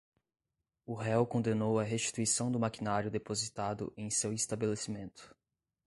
O réu condenou a restituição do maquinário depositado em seu estabelecimento.